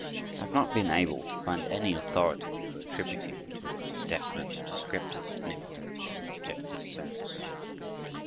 I have not been able to find any authority for attributing to it definite descriptive significance in the objective sense.